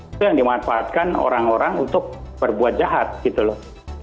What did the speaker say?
itu yang dimanfaatkan orang orang untuk berbuat jahat gitu loh